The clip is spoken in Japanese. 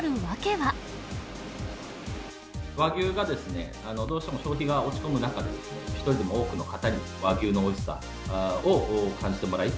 和牛がどうしても消費が落ち込む中、一人でも多くの方に和牛のおいしさを感じてもらい。